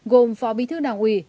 gồm phó bí thư đảng ủy